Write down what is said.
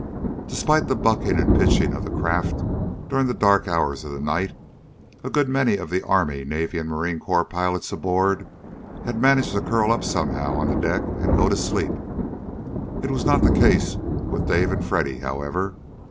Despite the bucking and pitching of the craft during the dark hours of night, a good many of the Army, Navy, and Marine Corps pilots aboard had managed to curl up somehow on the deck and go to sleep. It was not the case with Dave and Freddy, however.